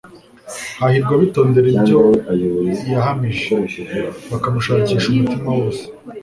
Hahirwa abitondera ibyo yahamije, bakamushakisha umutima wose.